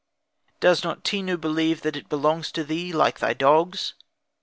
Does not Tenu believe that it belongs to thee like thy dogs.